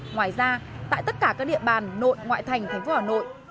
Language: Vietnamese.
ngoài ra tại tất cả các địa bàn nội ngoại thành thành phố hà nội